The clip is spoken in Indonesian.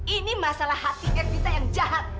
ini masalah hati kita yang jahat